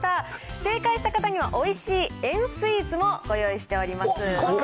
正解した方には、おいしい円スイーツもご用意しております。